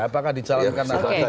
apakah dicalon karena